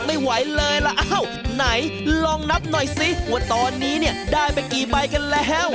ไม่ไหวเลยล่ะอ้าวไหนลองนับหน่อยสิว่าตอนนี้เนี่ยได้ไปกี่ใบกันแล้ว